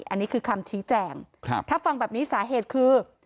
อันนี้คือคำชี้แจงถ้าฟังแบบนี้สาเหตุคือ